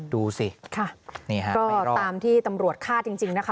ดูสิใครรอบตามที่ตำรวจคาดจริงนะครับ